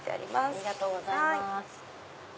ありがとうございます。